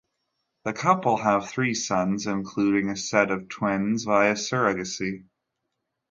The couple have three sons, including a set of twins, via surrogacy.